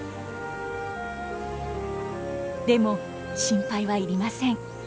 でも心配はいりません。